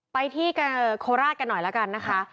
ไปที่โคราชกันหน่อยแล้วกันนะคะ